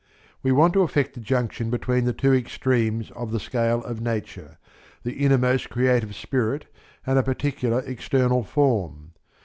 We want to effect a junction between the two extremes of the scale of Nature, the innermost creative spirit and a particular external form.